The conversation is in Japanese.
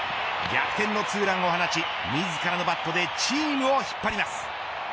逆転の２ランを放ち自らのバットでチームを引っ張ります。